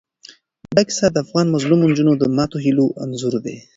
دا کیسه د افغان مظلومو نجونو د ماتو هیلو یو انځور دی.